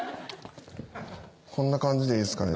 こんな感じでいいですかね？